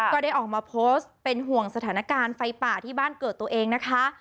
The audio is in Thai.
ก็ได้ออกมาโพสต์เป็นห่วงสถานการณ์ไฟป่าที่บ้านเกิดตัวเองนะคะ